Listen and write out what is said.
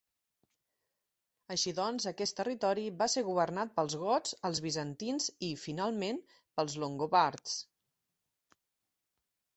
Així doncs, aquest territori va ser governat pels gots, els bizantins i, finalment, pels longobards.